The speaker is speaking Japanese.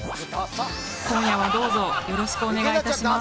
今夜はどうぞよろしくお願いいたします。